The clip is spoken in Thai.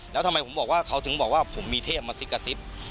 แล้วทำไมผมบอกว่าเขาถึงบอกว่าผมมีเทพมาซิกกระซิบ